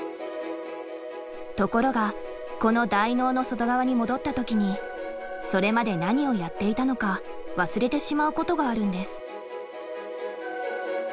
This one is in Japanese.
ところがこの大脳の外側に戻った時にそれまで何をやっていたのか忘れてしまうことがあるんです。